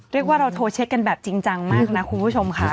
เรียกว่าเราโทรเช็คกันแบบจริงจังมากนะคุณผู้ชมค่ะ